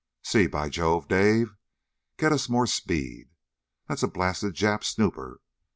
See...? By Jove, Dave, get us more speed! That's a blasted Jap snooper!